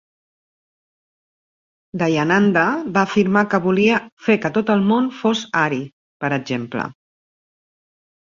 Dayananda va afirmar que volia "fer que tot el món fos ari", per exemple